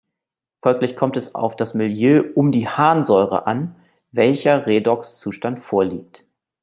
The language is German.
Folglich kommt es auf das Milieu um die Harnsäure an, welcher Redox-Zustand vorliegt.